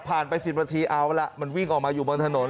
ไป๑๐นาทีเอาล่ะมันวิ่งออกมาอยู่บนถนน